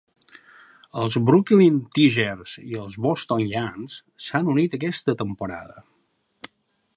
Els Brooklyn Tigers i els Boston Yanks s'han unit aquesta temporada.